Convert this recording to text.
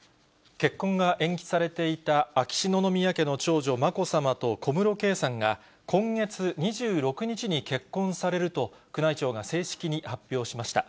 結婚が延期されていた秋篠宮家の長女、まこさまと小室圭さんが、今月２６日に結婚されると、宮内庁が正式に発表しました。